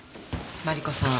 マリコさん